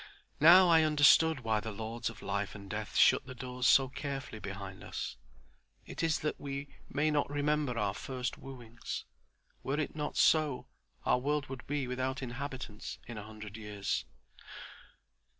Now I understood why the Lords of Life and Death shut the doors so carefully behind us. It is that we may not remember our first wooings. Were it not so, our world would be without inhabitants in a hundred years.